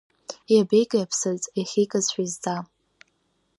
Иабеики аԥсыӡ, иахьикыз шәизҵаа!